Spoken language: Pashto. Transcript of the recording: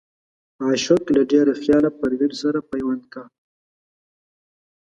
عاشق له ډېره خياله پروين سره پيوند کا